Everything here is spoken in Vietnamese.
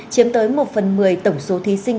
chiếm tới một phần một mươi tổng số thí sinh